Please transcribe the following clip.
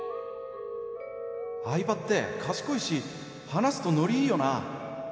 相葉って賢いし話すとノリいいよな！